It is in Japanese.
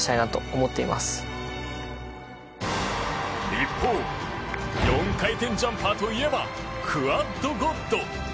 一方４回転ジャンパーといえばクアッドゴッド。